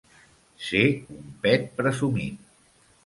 Ser un pet presumit.